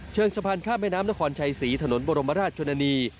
สะพานข้ามแม่น้ำนครชัยศรีถนนบรมราชชนนี